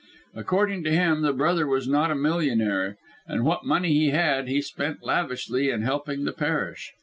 According to him the brother was not a millionaire, and what money he had he spent lavishly in helping the parish.